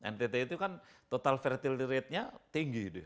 ntt itu kan total fertility rate nya tinggi